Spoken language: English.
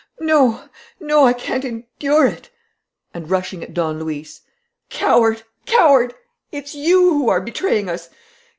No, no, I can't endure it!" And, rushing at Don Luis: "Coward! Coward! It's you who are betraying us!